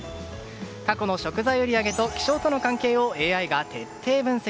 過去の食材売り上げと気象との関係をＡＩが徹底分析。